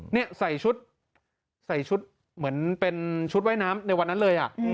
นี่ใส่ชุดเหมือนเป็นชุดไว้น้ำในวันนั้นเลย